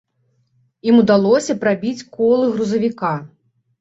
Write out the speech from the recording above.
Ім удалося прабіць колы грузавіка.